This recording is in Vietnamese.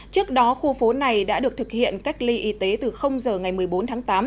trước đó khu phố này đã được thực hiện cách ly y tế từ giờ ngày một mươi bốn tháng tám